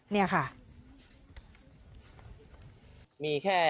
เนี่ยค่ะ